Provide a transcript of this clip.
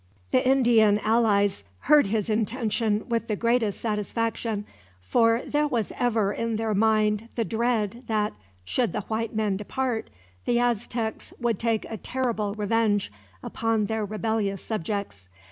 The Indian allies heard his intention with the greatest satisfaction, for there was ever in their mind the dread that, should the white men depart, the Aztecs would take a terrible revenge upon their rebellious subjects.